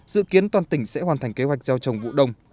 dự kiến toàn tỉnh sẽ hoàn thành kế hoạch gieo trồng vụ đông